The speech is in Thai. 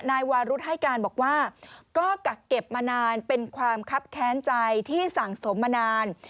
นายวารุธให้การบอกว่าก็กักเก็บมานานเป็นความคับแค้นใจที่สั่งสมมานาน